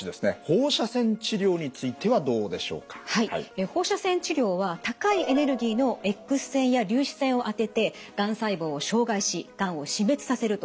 放射線治療は高いエネルギーのＸ線や粒子線を当ててがん細胞を傷害しがんを死滅させるという治療法です。